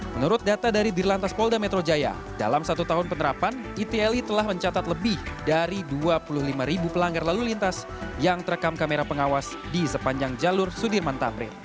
menurut data dari dirlantas polda metro jaya dalam satu tahun penerapan itli telah mencatat lebih dari dua puluh lima ribu pelanggar lalu lintas yang terekam kamera pengawas di sepanjang jalur sudirman tamrin